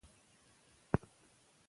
کله چې صداقت موجود وي، باور زیاتېږي.